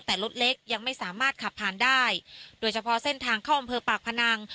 แต่รถเล็กยังไม่สามารถขับผ่านได้โดยเฉพาะเส้นทางเข้าอำเภอปากพนัง